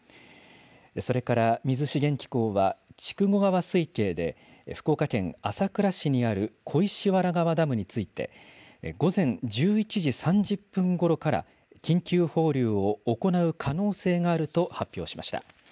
それから水資源機構は筑後川水系で福岡県朝倉市にある小石原川ダムについて、午前１１時３０分ごろから、緊急放流を行う可能性があると発表しました。